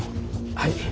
はい。